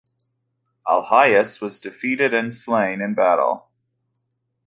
Alahis was defeated and slain in battle.